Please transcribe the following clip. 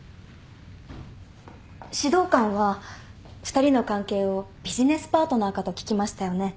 指導官は２人の関係をビジネスパートナーかと聞きましたよね。